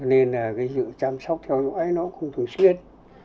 nên là sự chăm sóc theo dõi nó không thường xuyên